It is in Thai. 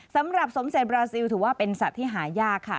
สำหรับสมเศษบราซิลถือว่าเป็นสัตว์ที่หายากค่ะ